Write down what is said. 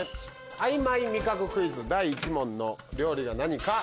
あいまい味覚クイズ第１問の料理は何か？